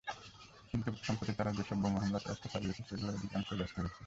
কিন্তু সম্প্রতি তারা যেসব বোমা হামলার চেষ্টা চালিয়েছে, সেগুলোর অধিকাংশই ব্যর্থ হয়েছে।